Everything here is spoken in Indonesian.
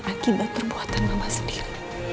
akibat perbuatan mama sendiri